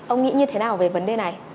ông nghĩ như thế nào về vấn đề này